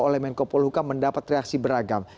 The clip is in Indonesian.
oleh menko polhukam mendapat reaksi beragam